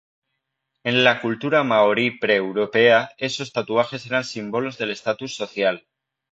En la cultura maorí pre-europea, esos tatuajes eran símbolos de estatus social.